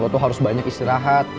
lo tuh harus banyak istirahat